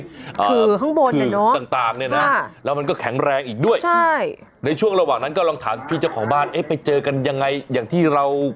คือข้างบนอ่ะเนอะต่างเนี่ยนะแล้วมันก็แข็งแรงอีกด้วยในช่วงระหว่างนั้นก็ลองถามพี่เจ้าของบ้านเอ๊ะไปเจอกันยังไงอย่างที่เรา